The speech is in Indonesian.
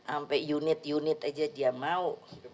sampai unit unit aja dia mau